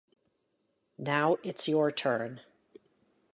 Now it's your turn.